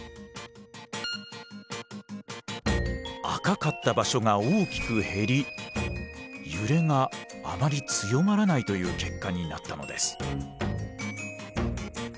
赤かった場所が大きく減り揺れがあまり強まらないという結果になったのです。